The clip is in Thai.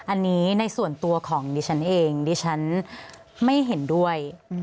อันนี้ในส่วนตัวของดิฉันเองดิฉันไม่เห็นด้วย